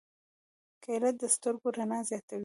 کېله د سترګو رڼا زیاتوي.